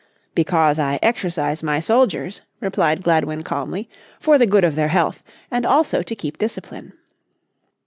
"Because I exercise my soldiers," replied Gladwin calmly, "for the good of their health, and also to keep discipline."